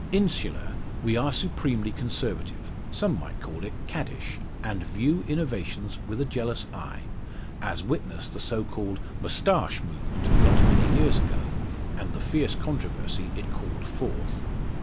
Insular, we are supremely conservative some might call it "caddish" and view innovations with a jealous eye; as witness the so called "moustache movement" not many years ago, and the fierce controversy it called forth.